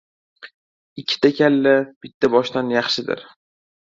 • Ikkita kalla, bitta boshdan yaxshidir.